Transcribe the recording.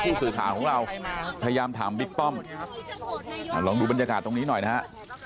ผู้สื่อข่าวของเราพยายามถามบิ๊กป้อมลองดูบรรยากาศตรงนี้หน่อยนะฮะ